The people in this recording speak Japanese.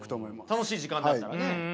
楽しい時間だったらね。